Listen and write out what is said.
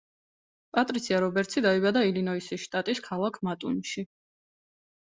პატრიცია რობერტსი დაიბადა ილინოისის შტატის ქალაქ მატუნში.